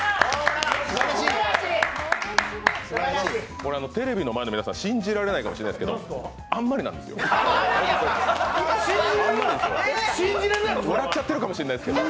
これテレビの前の皆さん信じられないかもしれないですがあんまりなんですよ、笑っちゃってるかもしれないですけど。